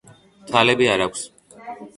თვალები არ აქვს.